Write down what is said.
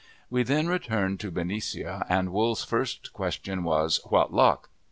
We then returned to Benicia, and Wool's first question was, "What luck?"